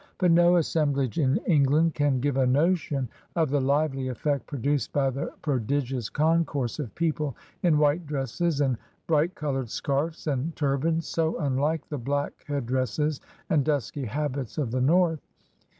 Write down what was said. But no assemblage in England can give a notion of the lively effect produced by the pro digious concourse of people in white dresses and bright colored scarfs and turbans, so unlike the black head dresses and dusky habits of the North.